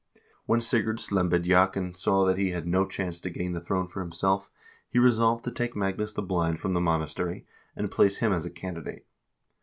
When Sigurd Slembediakn saw that he had no chance to gain the throne for himself, he resolved to take Magnus the Blind from the monastery, and present him as a candidate.